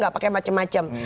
gak pakai macem macem